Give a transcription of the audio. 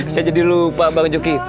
saya jadi lupa bang joki